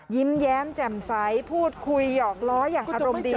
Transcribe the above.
ยิ้มแย้มแจ่มใสพูดคุยหยอกล้ออย่างอารมณ์ดี